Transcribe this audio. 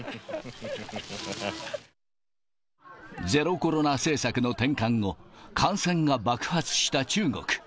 ゼロコロナ政策の転換後、感染が爆発した中国。